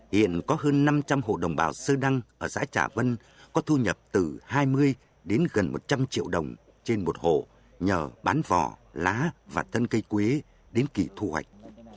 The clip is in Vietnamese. hiện có hơn năm trăm linh hộ đồng bào sư đăng ở xã trà vân có thu nhập từ hai mươi đến gần một trăm linh triệu đồng trên một hộ nhờ bán vỏ lá và thân cây quế đến kỳ thu hoạch